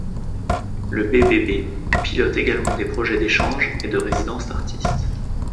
Le bbb pilote également des projets d’échanges et de résidences d’artistes.